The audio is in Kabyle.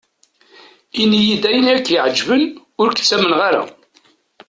Ini-d ayen i ak-iɛeǧben, ur k-ttamneɣ ara.